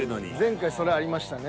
前回それありましたね。